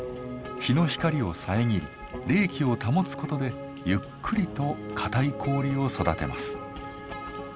日の光を遮り冷気を保つことでゆっくりと硬い氷を育てます。